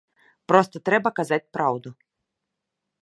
Проста трэба казаць праўду.